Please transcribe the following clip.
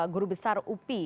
guru besar upi